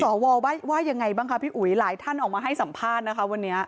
ว่ายังไงบ้างคะพี่อุ๋ยหลายท่านออกมาให้สัมภาษณ์นะคะวันนี้